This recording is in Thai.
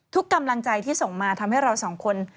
กำลังใจที่ส่งมาทำให้เราสองคน